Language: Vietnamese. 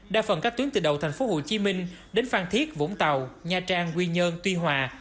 đa phần các tuyến từ đầu thành phố hồ chí minh đến phan thiết vũng tàu nha trang quy nhơn tuy hòa